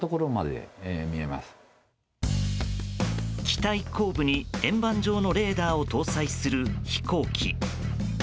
機体後部に円盤状のレーダーを搭載する飛行機。